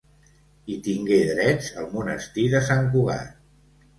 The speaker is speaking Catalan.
Hi tingué drets el Monestir de Sant Cugat.